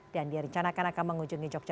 dan direncanakan akan mengunjungi jogja